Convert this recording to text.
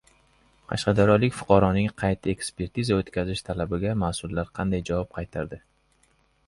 Qashqadaryolik fuqaroning qayta ekspertiza o`tkazish talabiga mas`ullar qanday javob qaytardi?